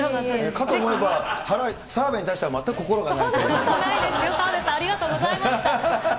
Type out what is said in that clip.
かと思えば、澤部に対しては全く心がないという。